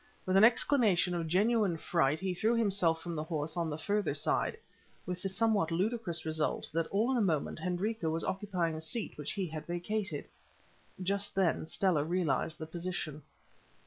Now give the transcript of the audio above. With an exclamation of genuine fright he threw himself from the horse on the further side, with the somewhat ludicrous result that all in a moment Hendrika was occupying the seat which he had vacated. Just then Stella realized the position.